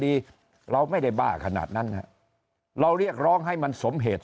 เราไม่ได้บ้าขนาดนั้นฮะเราเรียกร้องให้มันสมเหตุ